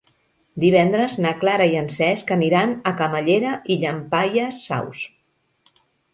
Divendres na Clara i en Cesc aniran a Camallera i Llampaies Saus.